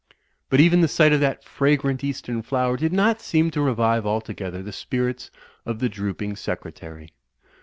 But even the sight of that fragrant eastern flower did not seem to revive altogether the spirits of the dr(X)ping Secretary.